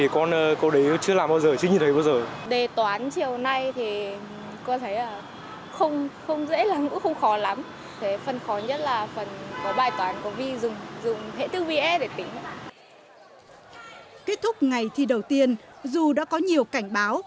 kết thúc ngày thi đầu tiên dù đã có nhiều cảnh báo